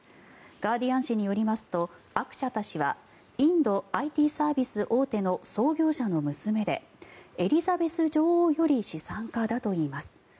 ガーディアン紙によりますとアクシャタ氏はインドＩＴサービス大手の創業者の娘でエリザベス女王より資産家だといいます。